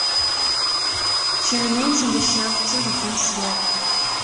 She remains in the sheaf till the dance is over.